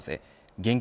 現金